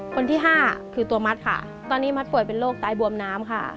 คนที่ห้าคือตัวมัดค่ะตอนนี้มัดป่วยเป็นโรคตายบวมน้ำค่ะ